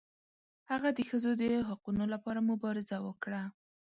هغه د ښځو د حقونو لپاره مبارزه وکړه.